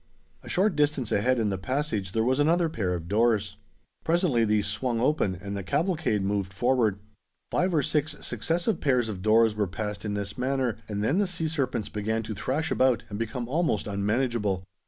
A short distance ahead in the passage there was another pair of doors. Presently these swung open and the cavalcade moved forward. Five or six successive pairs of doors were passed in this manner, and then the sea serpents began to thrash about and become almost unmanageable.